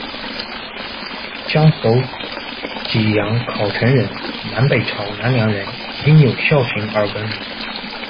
江紑，济阳考城人，南北朝南梁人，因有孝行而闻名。